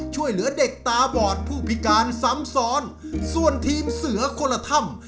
ช่วยเหลือเด็กตาบอดผู้พิการซ้ำซ้อนส่วนทีมเสือคนละถ้ำ